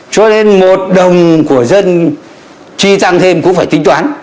cho nên một đồng của dân chi tăng thêm cũng phải tính toán